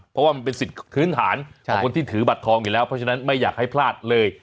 เพราะว่ามันเป็นสิทธิ์พื้นฐานของคนที่ถือบัตรทองอยู่แล้วเพราะฉะนั้นไม่อยากให้พลาดเลย